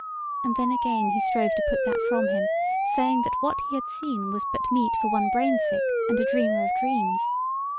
And then again he strove to put that from him, saying that what he had seen was but meet for one brainsick, and a dreamer of dreams.